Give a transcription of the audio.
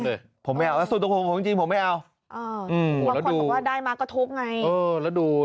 เลยผมไม่เอาส่วนตัวผมจริงผมไม่เอาได้มาก็ทุกไงแล้วดู